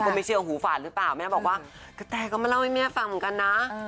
ไม่เชื่อหูฝาดหรือเปล่าแม่บอกว่ากระแตก็มาเล่าให้แม่ฟังเหมือนกันนะ